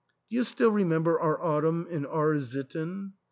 Do you still re member our autumn in R— sitten?"